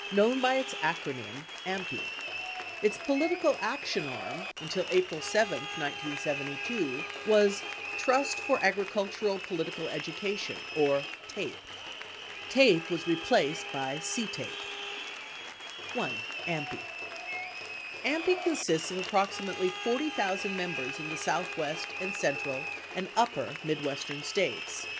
knoivn by its acronym "AMPI." Its political action arm, until April 7, 1972, was Trust for Agricul tural Political Education, or TAPE. TAPE Avas replaced by CTAPE. 1. AMPI AMPI consists of approximately 40,000 members in the Southwest and central and upper Midwestern States.